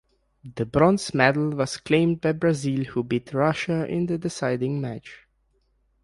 The bronze medal was claimed by Brazil who beat Russia in the deciding match.